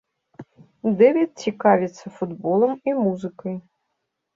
Дэвід цікавіцца футболам і музыкай.